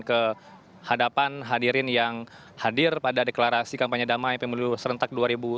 ke hadapan hadirin yang hadir pada deklarasi kampanye damai pemilu serentak dua ribu sembilan belas